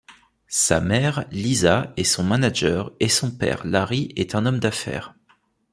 Sa mère, Lisa, est son manager, et son père, Larry, est un homme d'affaires.